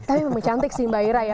tapi memang cantik sih mbak ira ya